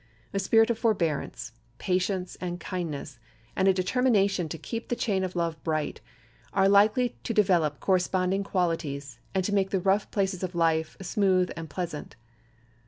A spirit of forbearance, patience, and kindness, and a determination to keep the chain of love bright, are likely to develop corresponding qualities, and to make the rough places of life smooth and pleasant.